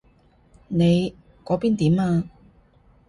你嗰邊點啊？